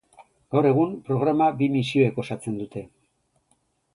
Gaur egun, programa bi misioek osatzen dute.